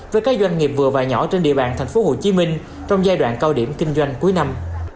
với các doanh nghiệp vừa và nhỏ trên địa bàn tp hcm trong giai đoạn cao điểm kinh doanh cuối năm